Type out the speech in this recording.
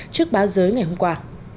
trước báo giới ngày hôm qua